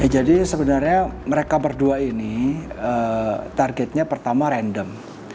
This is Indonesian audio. jadi sebenarnya mereka berdua ini targetnya pertama random